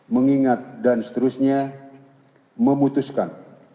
mengingat dan seterusnya memutuskan